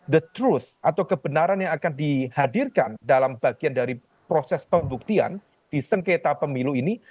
the trust atau kebenaran yang akan dihadirkan dalam bagian dari proses pembuktian di sengketa pemilu ini